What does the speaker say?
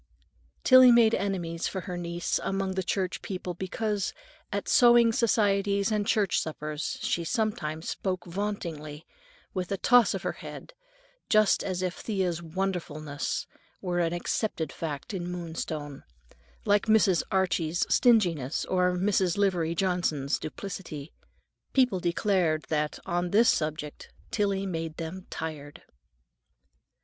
Tillie made enemies for her niece among the church people because, at sewing societies and church suppers, she sometimes spoke vauntingly, with a toss of her head, just as if Thea's "wonderfulness" were an accepted fact in Moonstone, like Mrs. Archie's stinginess, or Mrs. Livery Johnson's duplicity. People declared that, on this subject, Tillie made them tired.